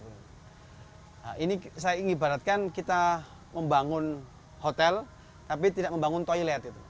nah ini saya ingin ibaratkan kita membangun hotel tapi tidak membangun toilet